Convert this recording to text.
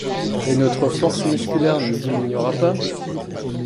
Et notre force musculaire n’y diminuera pas ?